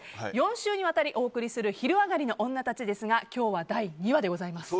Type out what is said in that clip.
４週にわたりお送りする「昼上がりのオンナたち」ですが今日は第２話です。